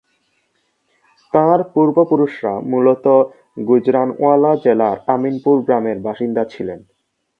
তাঁর পূর্বপুরুষরা মূলত গুজরানওয়ালা জেলার আমিনপুর গ্রামের বাসিন্দা ছিলেন।